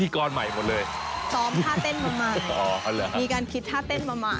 มีการคิดท่าเต้นมาใหม่